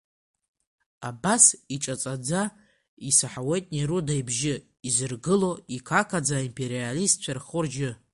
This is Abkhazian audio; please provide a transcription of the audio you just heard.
Абас иҿацаӡа исаҳауеит неруда ибжьы, изыргыло иқақаӡа аимпериалистцәа рхәы-ржьы.